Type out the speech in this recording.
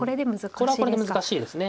これはこれで難しいですね。